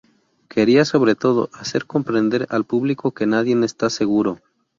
Quería, sobre todo, hacer comprender al público que nadie está seguro.